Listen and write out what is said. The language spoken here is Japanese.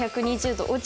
１２０度。